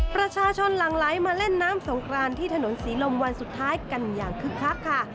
ประชาชนหลังไลน์มาเล่นน้ำสงครานที่ถนนศรีลมวันสุดท้ายกันอย่างคึกครับ